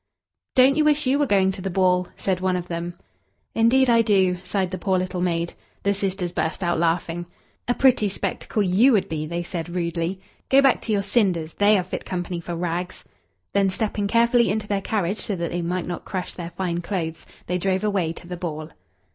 "Don't you wish you were going to the ball?" said one of them. "Indeed I do," sighed the poor little maid. The sisters burst out laughing. "A pretty spectacle you would be," they said rudely. "Go back to your cinders they are fit company for rags." Then, stepping carefully into their carriage so that they might not crush their fine clothes, they drove away to the ball.